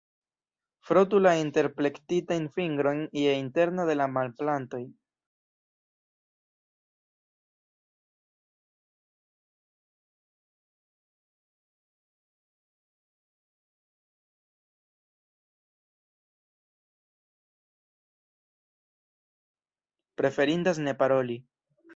Preferindas ne paroli.